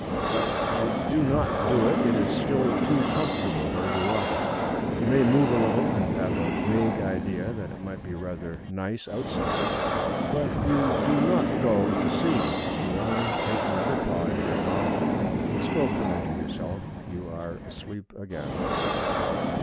But you do not do it. It is still too comfortable where you are. You may move a little, and have a vague idea that it might be rather nice outside. But you do not go to see; you only take the other paw into your mouth, and, still crooning to yourself, you are asleep again.